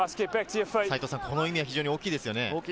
この意味は非常に大きいですね。